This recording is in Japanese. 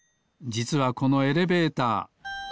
じつはこのエレベーター。